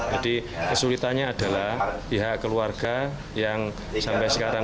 jadi kesulitannya adalah pihak keluarga yang sampai sekarang